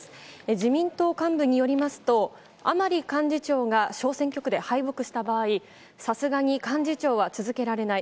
自民党幹部によりますと、甘利幹事長が小選挙区で敗北した場合、さすがに幹事長は続けられない。